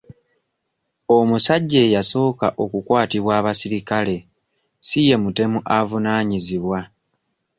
Omusajja eyasooka okukwatibwa abaserikale si ye mutemu avunaanyizibwa.